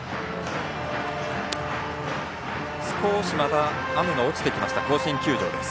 少しまた雨が落ちてきました甲子園球場です。